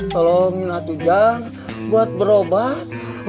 tolong minat ujang buat berubah